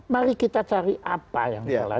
mari kita cari apa yang salah